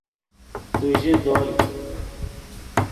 تو ژے دولک